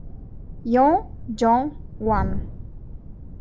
Yoon Jong-hwan